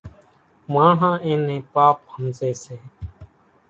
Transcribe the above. ماڻۿان اين نين پاپ ۿمزي سي۔